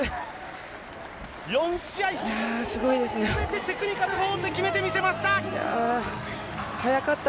４試合全てテクニカルフォールで決めてみせました！